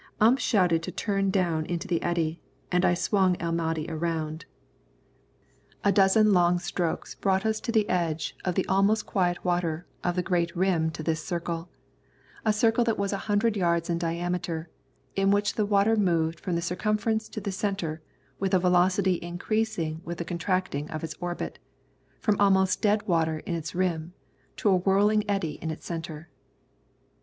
Ump shouted to turn down into the eddy, and I swung El Mahdi around. A dozen long strokes brought us into the almost quiet water of the great rim to this circle, a circle that was a hundred yards in diameter, in which the water moved from the circumference to the centre with a velocity increasing with the contracting of its orbit, from almost dead water in its rim to a whirling eddy in its centre.